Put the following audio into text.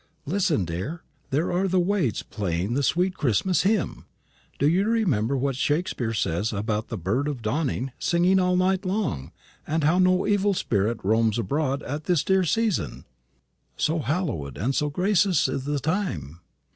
Listen, dear; there are the waits playing the sweet Christmas hymn. Do you remember what Shakespeare says about the 'bird of dawning' singing all night long, and how no evil spirit roams abroad at this dear season, 'So hallowed and so gracious is the time?'